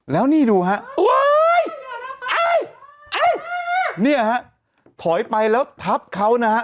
แล้วนี่ดูฮะอุ้ยอ้ายอ้ายเนี่ยฮะถอยไปแล้วพับเขานะฮะ